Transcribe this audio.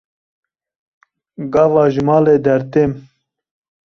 Gava ji malê dertêm.